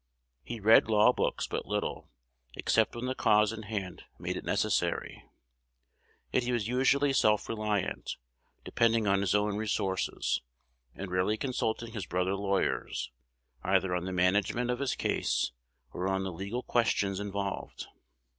He read law books but little, except when the cause in hand made it necessary; yet he was usually self reliant, depending on his own resources, and rarely consulting his brother lawyers, either on the management of his case or on the legal questions involved.